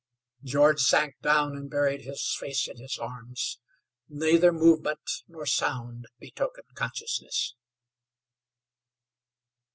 George sank down and buried his face in his arms; neither movement nor sound betokened consciousness.